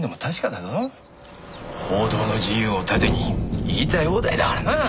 報道の自由を盾に言いたい放題だからな。